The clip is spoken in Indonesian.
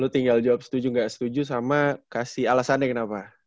tinggal jawab setuju nggak setuju sama kasih alasannya kenapa